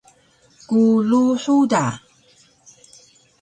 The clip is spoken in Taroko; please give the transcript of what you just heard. Kulu huda